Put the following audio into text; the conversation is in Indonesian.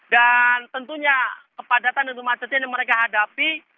dan tentunya kepadatan dan kemacetan yang mereka hadapi